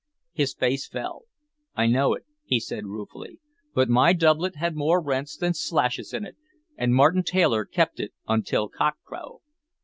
His face fell. "I know it," he said ruefully; "but my doublet had more rents than slashes in it, and Martin Tailor kept it until cockcrow.